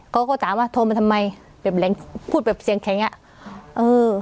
เขาก็ถามว่าโทรมาทำไมแบบแรงพูดแบบเสียงแข็งอ่ะเออ